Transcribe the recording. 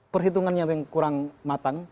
perhitungannya yang kurang matang